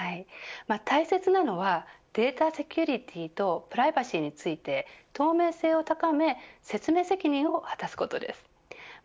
大切なのはデータセキュリティとプライバシーについて透明性を高め説明責任を果たすことです。